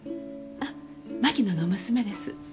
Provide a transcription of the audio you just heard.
あ槙野の娘です。